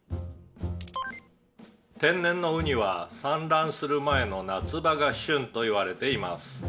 「天然のウニは産卵する前の夏場が旬といわれています」